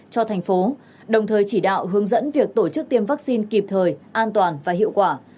cho thành phố đồng thời chỉ đạo hướng dẫn việc tổ chức tiêm vaccine kịp thời an toàn và hiệu quả